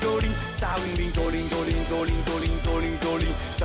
กล้าวินิตงกงกงกงกงกงกง